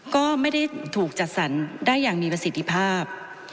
ก็ไม่ได้ถูกจัดสรรได้อย่างมีประสิทธิภาพ